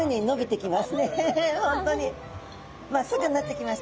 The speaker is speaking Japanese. まっすぐになってきましたね。